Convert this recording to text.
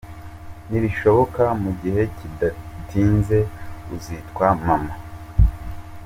Nibishoboka mu gihe kidatinze uzitwa mama.